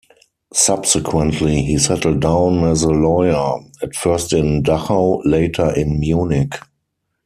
Subsequently, he settled down as a lawyer, at first in Dachau, later in Munich.